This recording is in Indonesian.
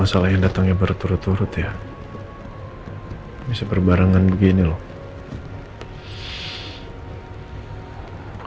silahkan mbak mbak